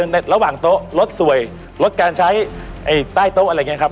ในระหว่างโต๊ะรถสวยลดการใช้ใต้โต๊ะอะไรอย่างนี้ครับ